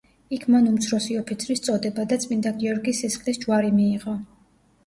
იქ მან უმცროსი ოფიცრის წოდება და „წმინდა გიორგის სისხლის ჯვარი“ მიიღო.